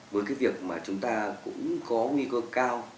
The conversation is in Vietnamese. với cái việc mà chúng ta cũng có nguy cơ cao